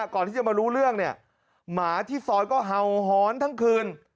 ก่อนที่จะมารู้เรื่องเนี่ยหมาที่ซอยก็เห่าหอนทั้งคืน